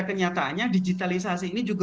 kenyataannya digitalisasi ini juga